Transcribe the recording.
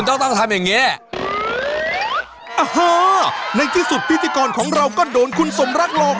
อ้าฮะในที่สุดพิธีกรของเราก็โดนคุณสมรักหลอก